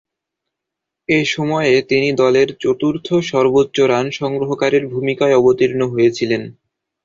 এ সময়ে তিনি দলের চতুর্থ সর্বোচ্চ রান সংগ্রহকারীর ভূমিকায় অবতীর্ণ হয়েছিলেন।